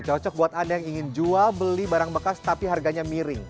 cocok buat anda yang ingin jual beli barang bekas tapi harganya miring